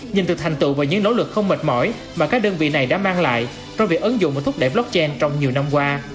nhìn từ thành tựu và những nỗ lực không mệt mỏi mà các đơn vị này đã mang lại trong việc ấn dụng và thúc đẩy blockchain trong nhiều năm qua